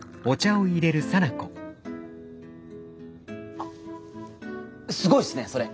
あっすごいっすねそれ。